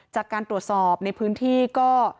จากการตรวจสอบในพื้นที่ก็